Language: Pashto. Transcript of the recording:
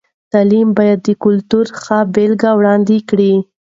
تعلیم باید د کلتور ښه بېلګه وړاندې کړي.